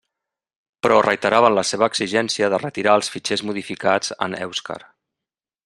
Però reiteraven la seva exigència de retirar els fitxers modificats en èuscar.